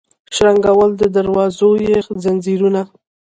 شرنګول د دروازو یې ځنځیرونه